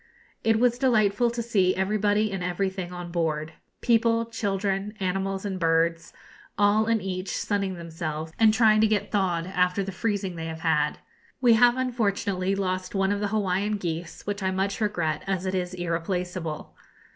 It was delightful to see everybody and everything on board people, children, animals, and birds, all and each sunning themselves, and trying to get thawed after the freezing they have had. We have unfortunately lost one of the Hawaiian geese, which I much regret, as it is irreplaceable.